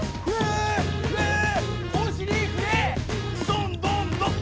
どんどんどん！